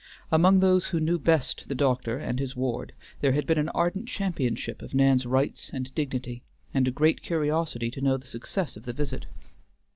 Among those who knew best the doctor and his ward there had been an ardent championship of Nan's rights and dignity, and a great curiosity to know the success of the visit.